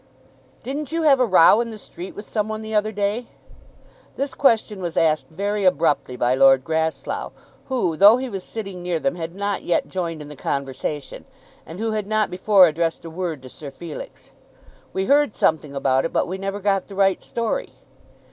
"Didn't you have a row in the street with some one the other day?" This question was asked very abruptly by Lord Grasslough, who, though he was sitting near them, had not yet joined in the conversation, and who had not before addressed a word to Sir Felix. "We heard something about it, but we never got the right story."